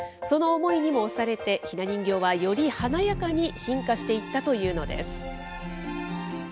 その思いにも押されて、ひな人形はより華やかに進化していったというのです。